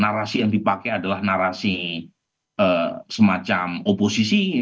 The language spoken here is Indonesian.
narasi yang dipakai adalah narasi semacam oposisi